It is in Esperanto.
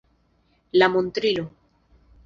La montrilo.